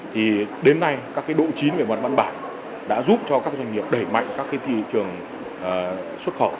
thì đến nay các độ chín về mặt văn bản đã giúp cho các doanh nghiệp đẩy mạnh các cái thị trường xuất khẩu